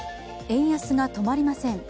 円安が止まりません。